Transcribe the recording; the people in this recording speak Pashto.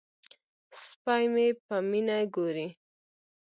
سپی مې په مینه ګوري.